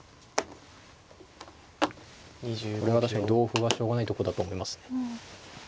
これは確かに同歩はしょうがないとこだと思いますね。